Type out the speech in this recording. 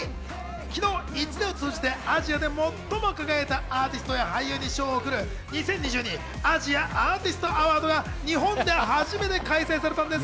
昨日、１年を通じてアジアで最も輝いたアーティストや俳優に賞を贈る２０２２ＡｓｉａＡｒｔｉｓｔＡｗａｒｄｓが日本で初めて開催されたんです。